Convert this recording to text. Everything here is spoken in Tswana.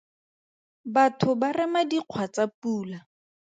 Batho ba rema dikgwa tsa pula.